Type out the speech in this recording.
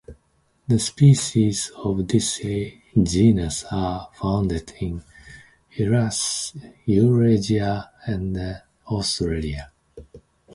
The species of this genus are found in Eurasia and Australia.